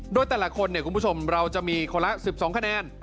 โดยแต่ละคนเนี่ยคุณผู้ชมเราจะมีคนละ๑๒คะแนน